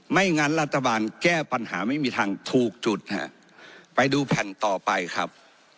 งั้นรัฐบาลแก้ปัญหาไม่มีทางถูกจุดฮะไปดูแผ่นต่อไปครับ